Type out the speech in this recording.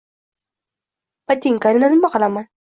Botinkani nima qilaman?